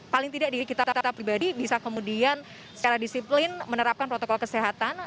paling tidak diri kita tetap pribadi bisa kemudian secara disiplin menerapkan protokol kesehatan